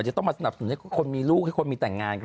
เหมือนให้คนมีลูกให้คนมีแต่งงาน